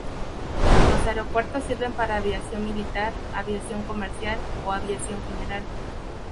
Los aeropuertos sirven para aviación militar, aviación comercial o aviación general.